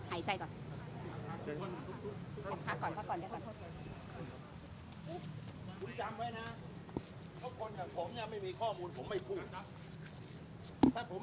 หายใจก่อนพักก่อนพักก่อนด้วยก่อนคุณจำไว้นะทุกคนกับผมเนี้ย